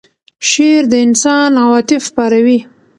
شعر د انسان عواطف پاروي.